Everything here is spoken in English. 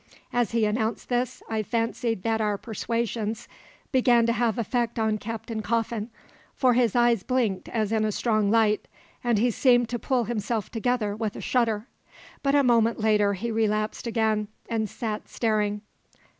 As he announced this I fancied that our persuasions began to have effect on Captain Coffin, for his eyes blinked as in a strong light, and he seemed to pull himself together with a shudder; but a moment later he relapsed again and sat staring.